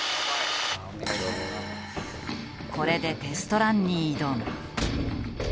これでテストランに挑む。